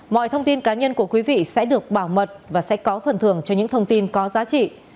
mọi thông tin cá nhân của quý vị sẽ được bảo mật và sẽ có phần thường cho những thông tin có giá trị